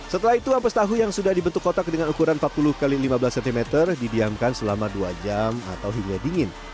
setelah itu ampas tahu yang sudah dibentuk kotak dengan ukuran empat puluh x lima belas cm didiamkan selama dua jam atau hingga dingin